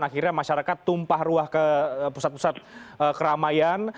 akhirnya masyarakat tumpah ruah ke pusat pusat keramaian